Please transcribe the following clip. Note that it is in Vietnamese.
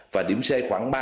và điểm c khoảng ba